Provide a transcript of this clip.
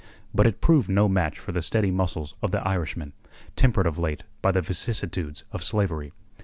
But it proved no match for the steady muscles of the Irishman, tempered of late by the vicissitudes of slavery.